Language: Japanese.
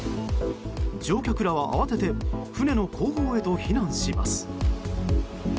乗客らは慌てて船の後方へと避難します。